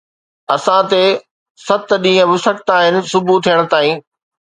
اسان تي ست ڏينهن به سخت آهن صبح ٿيڻ تائين